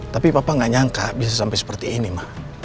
tapi papa gak nyangka bisa sampai seperti ini mah